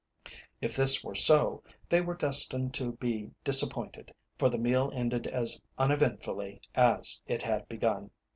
If this were so, they were destined to be disappointed, for the meal ended as uneventfully as it had begun.